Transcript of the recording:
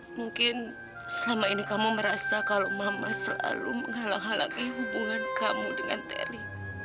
mungkin selama ini kamu merasa kalau mama selalu menghalangi hubungan kamu dengan terry